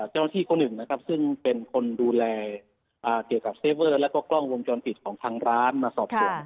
เจ้าหน้าที่คนหนึ่งนะครับซึ่งเป็นคนดูแลเกี่ยวกับเซเวอร์แล้วก็กล้องวงจรปิดของทางร้านมาสอบสวน